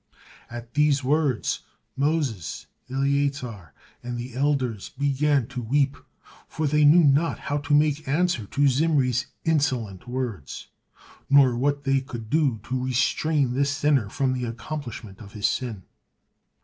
At those words, Moses, Eleazar, and the elders began to weep, for they knew not how to make answer to Zimri's insolent words, nor what they could do to restrain this sinner from the accomplishment of his sin.